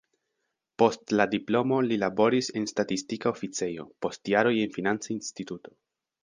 Post la diplomo li laboris en statistika oficejo, post jaroj en financa instituto.